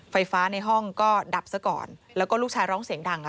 ไฟฟ้าในห้องก็ดับซะก่อนแล้วก็ลูกชายร้องเสียงดัง